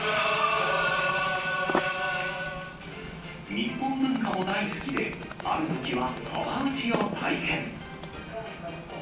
日本文化も大好きで、あるときはそば打ちを体験。